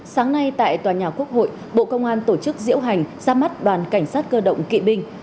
sáng nay tại tòa nhà quốc hội bộ công an tổ chức diễu hành ra mắt đoàn cảnh sát cơ động kỵ binh